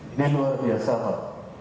ini luar biasa pak